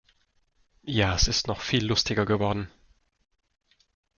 Ja, es ist noch viel lustiger geworden.